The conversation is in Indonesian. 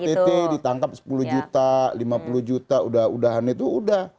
ott ditangkap sepuluh juta lima puluh juta udahan itu udah